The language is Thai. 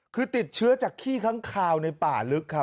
คือติดเชื้อจากขี้ค้างคาวในป่าลึกครับ